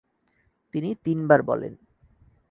তিনি তিনবার বলেন।